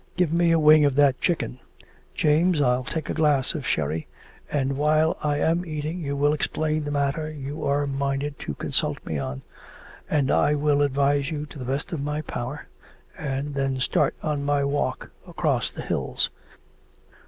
Give me a wing of that chicken. James, I'll take a glass of sherry... and while I am eating you shall explain the matter you are minded to consult me on, and I will advise you to the best of my power, and then start on my walk across the hills.'